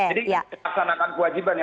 jadi kita harus laksanakan kewajibannya